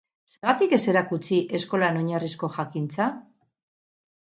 Zergatik ez erakutsi eskolan oinarrizko jakintza?